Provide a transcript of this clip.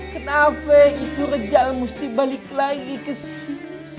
kenapa itu rejal mesti balik lagi kesini